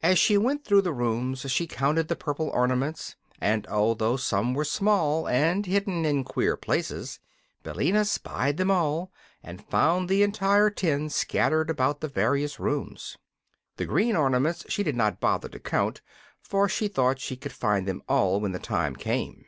As she went through the rooms she counted the purple ornaments; and although some were small and hidden in queer places, Billina spied them all, and found the entire ten scattered about the various rooms. The green ornaments she did not bother to count, for she thought she could find them all when the time came.